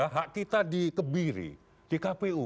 hak kita dikebiri di kpu